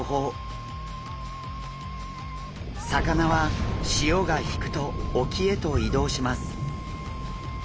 魚は潮が引くと沖へと移動します。